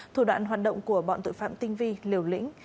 thủ đoạn hoạt động của bọn tội phạm tinh vi liều lĩnh